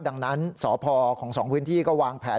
ดังนั้นสพของสองพื้นที่ก็วางแผน